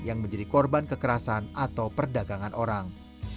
yang menjadi korban kekerasan atau perdagangan orang